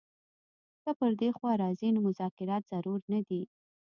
که پر دې خوا راځي نو مذاکرات ضرور نه دي.